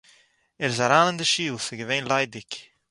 ער איז אריין אין די שול, עס איז געווען ליידיג